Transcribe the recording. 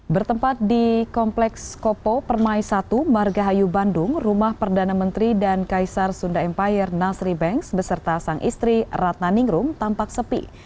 bertempat di kompleks kopo permai satu margahayu bandung rumah perdana menteri dan kaisar sunda empire nasri banks beserta sang istri ratna ningrum tampak sepi